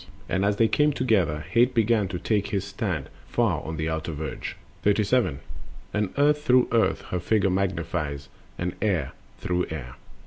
And as they came together, Hate began To take his stand far on the outer verge. Similia similibus. 37. And Earth through Earth her figure magnifies, And Air through Air.